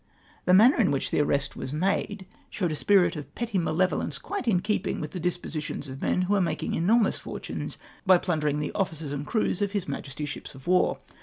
The manner in which the arrest was made showed a spirit of petty malevolence quite in keeping with the dispositions of men who were making enormous fortunes by plundering the officers and crews of His Majesty's ships of war.